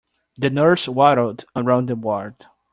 The nurse waddled around the ward.